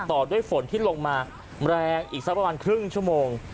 ต่อด้วยฝนที่ลงมาแรงอีกสักประมาณครึ่งชั่วโมง